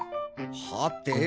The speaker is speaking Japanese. はて？